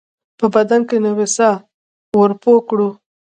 په بدن کې نوې ساه ورپو کړو